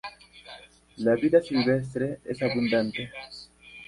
La vida silvestre es abundante.